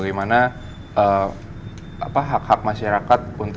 jadi sampai detik ini